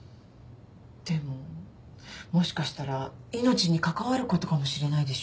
でももしかしたら命に関わることかもしれないでしょ？